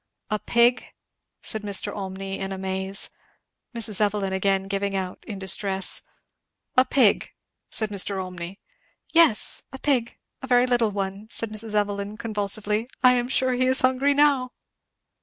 "A pig! " said Mr. Olmney in a maze; Mrs. Evelyn again giving out in distress. "A pig?" said Mr. Olmney. "Yes a pig a very little one," said Mrs. Evelyn convulsively. "I am sure he is hungry now!